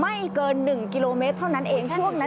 ไม่เกิน๑กิโลเมตรเท่านั้นเอง